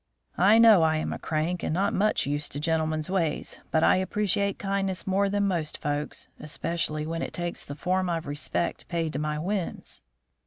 I know I am a crank, and not much used to gentlemen's ways, but I appreciate kindness more than most folks, especially when it takes the form of respect paid to my whims."